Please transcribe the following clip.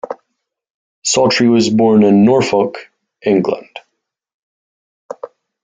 Sawtrey was born in Norfolk, England.